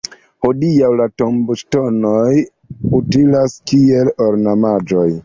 Hodiaŭ la tomboŝtonoj utilas kiel ornamaĵoj.